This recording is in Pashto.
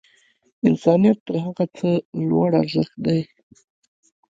انسانیت تر هر څه لوړ ارزښت دی.